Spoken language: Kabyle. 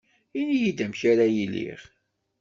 Ini-yi-d amek ara iliɣ